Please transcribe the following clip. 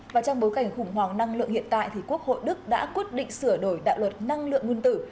và trong bối cảnh khủng hoảng năng lượng hiện tại thì quốc hội đức đã quyết định sửa đổi đạo luật năng lượng nguyên tử